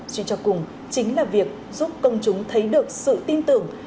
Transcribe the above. chuyên trò cùng chính là việc giúp công chúng thấy được sự tin tưởng